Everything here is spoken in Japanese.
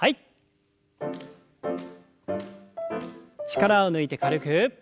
力を抜いて軽く。